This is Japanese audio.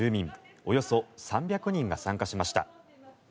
およそ３００人が参加しました。